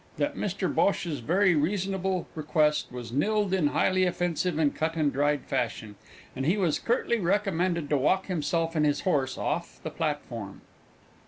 _ that Mr Bhosh's very reasonable request was nilled in highly offensive cut and dried fashion, and he was curtly recommended to walk himself and his horse off the platform.